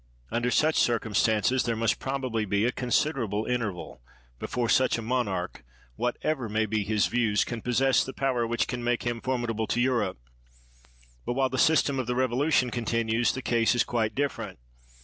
Under such circumstances there must prob ably be a considerable interval before such a monarch, whatever may bo his views, can p>ossess the power which can make him formidable to Europe ; but while the system of the Revolution continues the case is quite different.